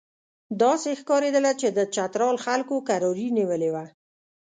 داسې ښکارېدله چې د چترال خلکو کراري نیولې وه.